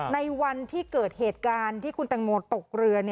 ในวันที่เกิดเหตุการณ์ที่คุณตังโมตกเรือ